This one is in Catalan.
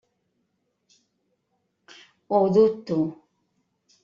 Ho dubto.